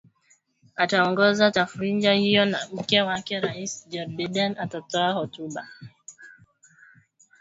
ataongoza tafrija hiyo na mke wa Rais Jill Biden atatoa hotuba